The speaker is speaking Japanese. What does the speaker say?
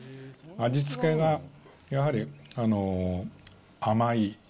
味付けが、やはり甘い。